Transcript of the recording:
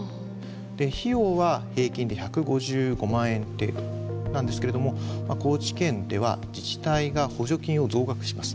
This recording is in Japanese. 費用は平均で１５５万円程度なんですけれども高知県では自治体が補助金を増額します。